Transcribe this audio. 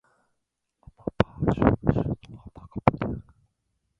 アマパー州の州都はマカパである